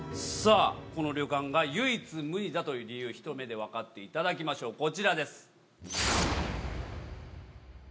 さあ、この旅館が唯一無二だという理由、ひと目で分かっていただきましょう。